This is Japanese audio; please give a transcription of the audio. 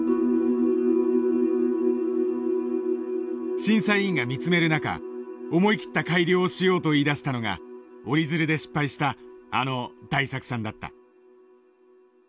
審査委員が見つめる中思い切った改良をしようと言いだしたのが折り鶴で失敗したあの大作さんだった。